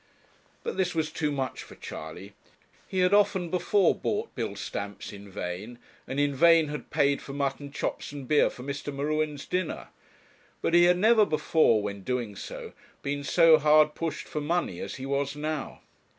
But this was too much for Charley. He had often before bought bill stamps in vain, and in vain had paid for mutton chops and beer for Mr. M'Ruen's dinner; but he had never before, when doing so, been so hard pushed for money as he was now.